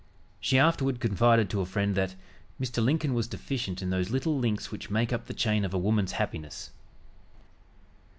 She afterward confided to a friend that "Mr. Lincoln was deficient in those little links which make up the chain of a woman's happiness."